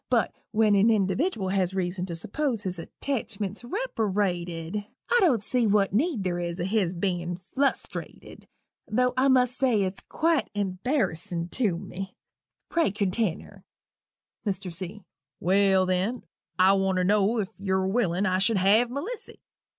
But when an individdiwal has reason to suppose his attachment's reperated, I don't see what need there is o' his bein' flustrated tho' I must say it's quite embarrassin' to me pray continner." MR. C. "Well, then, I want to know if yu're willing I should have Melissy?"